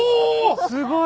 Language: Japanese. すごい！